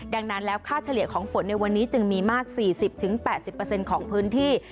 ดังนั้นแล้วค่าเฉลี่ยของฝนในวันนี้จึงมีมาก๔๐๘๐ของพื้นที่